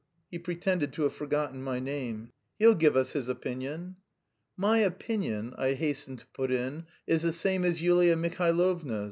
(He pretended to have forgotten my name.) "He'll give us his opinion." "My opinion," I hastened to put in, "is the same as Yulia Mihailovna's.